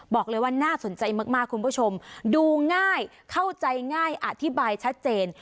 บอกเลยว่าน่าสนใจมากคุณผู้ชมดูง่ายเข้าใจง่ายอธิบายชัดเจน